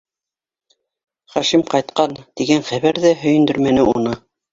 Хашим ҡайтҡан, тигән хәбәр ҙә һөйөндөрмәне уны.